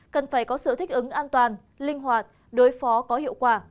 cần phải có sự thích ứng an toàn linh hoạt đối phó có hiệu quả